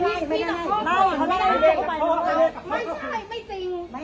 เป็นลูกค้าเพราะเขาให้เสื้อหนูมา